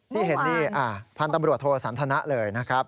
ที่เห็นนี่พันธุ์ตำรวจโทสันทนะเลยนะครับ